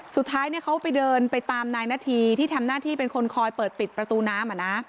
สุดท้ายเขาไปเดินไปตามนายนาธีที่ทำหน้าที่เป็นคนคอยเปิดปิดประตูน้ำ